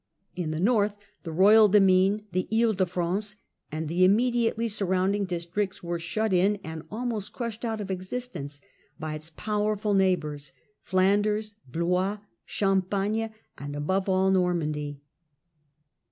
In the north, the royal demesne, the He de France and the immediately surrounding districts, was shut in and almost crushed out of existence by its powerful neigh bours, Flanders, Blois, Champagne, and, above all, Nor mandy.